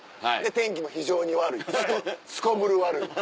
天気も非常に悪いすこぶる悪い。